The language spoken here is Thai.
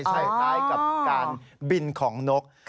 ใช่คล้ายกับการบินของนก